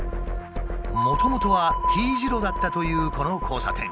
もともとはＴ字路だったというこの交差点。